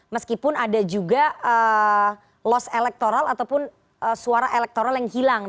meskipun ada juga loss elektoral ataupun suara elektoral yang hilang